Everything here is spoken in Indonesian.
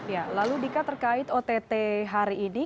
ya lalu dika terkait ott hari ini